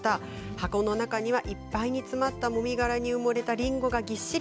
箱の中にはいっぱいに詰まったもみ殻に埋もれたりんごがぎっしり。